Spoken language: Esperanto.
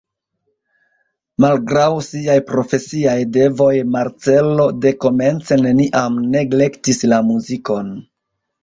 Malgraŭ siaj profesiaj devoj Marcello dekomence neniam neglektis la muzikon.